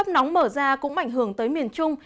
nóng mở ra cũng ảnh hưởng tới miền trung